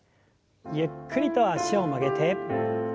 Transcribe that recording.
ゆっくりと脚を曲げて。